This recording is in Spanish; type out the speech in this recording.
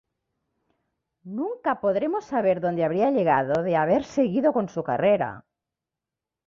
Nunca podremos saber donde habría llegado, de haber seguido con su carrera.